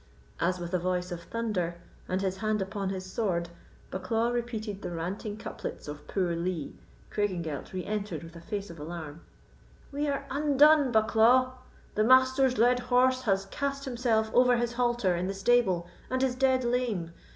As with a voice of thunder, and his hand upon his sword, Bucklaw repeated the ranting couplets of poor Lee, Craigengelt re entered with a face of alarm. "We are undone, Bucklaw! The Master's led horse has cast himself over his halter in the stable, and is dead lame.